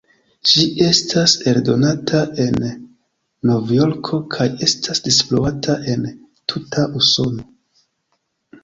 Ĝi estas eldonata en Novjorko kaj estas distribuata en tuta Usono.